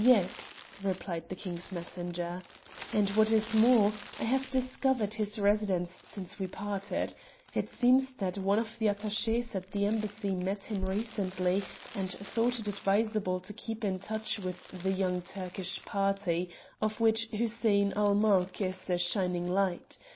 "Yes," replied the King's messenger, "and what is more, I have discovered his residence since we parted. It seems that one of the attachés at the Embassy met him recently and thought it advisable to keep in touch with the Young Turkish party, of which Hussein ul Mulk is a shining light.